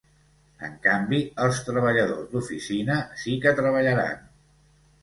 En canvi, els treballadors d’oficina sí que treballaran.